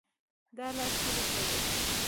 .دا لار چیري تللې ده؟